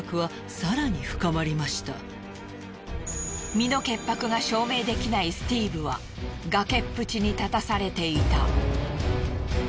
身の潔白が証明できないスティーブは崖っぷちに立たされていた。